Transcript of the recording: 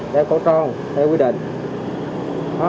đeo cổ tròn theo quy định